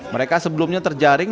mereka sebelumnya terjaring